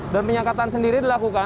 dan penyekatan sendiri dilakukan